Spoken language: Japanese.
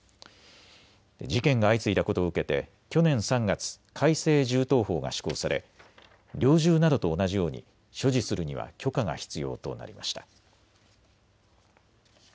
事件が相次いだことを受けて去年３月、改正銃刀法が施行され猟銃などと同じように所持するには許可が必要となりました。